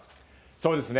そうですね。